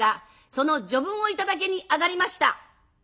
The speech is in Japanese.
その序文を頂きに上がりました」。